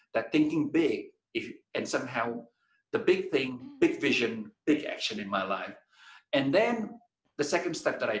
dan bagaimana cara besar dengan visi besar dengan aksi besar dalam hidup saya